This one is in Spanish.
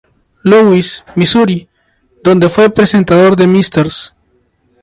Louis, Misuri, donde fue presentador de "Mrs.